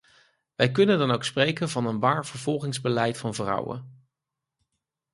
Wij kunnen dan ook spreken van een waar vervolgingsbeleid van vrouwen.